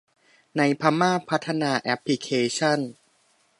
ในพม่าพัฒนาแอพพลิเคชั่น